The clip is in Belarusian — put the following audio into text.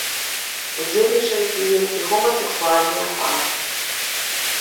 Удзельнічаюць у ім і гомасэксуальныя пары.